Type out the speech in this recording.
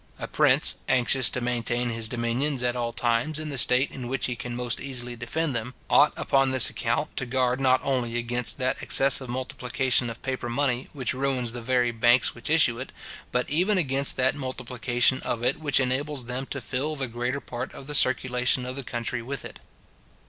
A prince, anxious to maintain his dominions at all times in the state in which he can most easily defend them, ought upon this account to guard not only against that excessive multiplication of paper money which ruins the very banks which issue it, but even against that multiplication of it which enables them to fill the greater part of the circulation of the country with it.